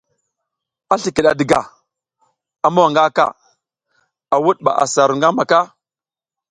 A slikid a diga, a mowa nga ka, a wud ba asa ru ngamaka.